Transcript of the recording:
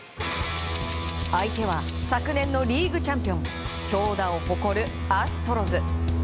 相手は昨年のリーグチャンピオン強打を誇るアストロズ。